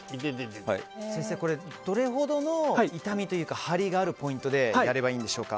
先生、どれほどの痛みというか張りがあるポイントでやればいいんでしょうか？